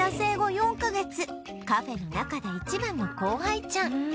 カフェの中で一番の後輩ちゃん